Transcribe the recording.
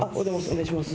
お願いします。